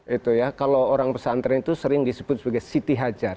itu ya kalau orang pesantren itu sering disebut sebagai siti hajar